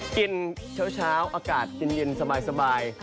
กินเช้าอากาศเย็นสบาย